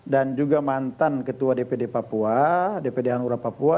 dan juga mantan ketua dpd hanura papua